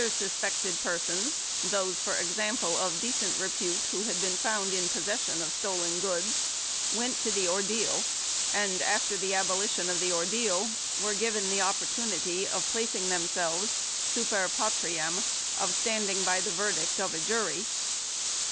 3 Other sus pected persons, those, for example, of decent repute who had been found in possession of stolen goods, went to the ordeal and, after the abolition of the ordeal, were given the opportunity of placing them selves "super patriam," of standing by the verdict of a jury.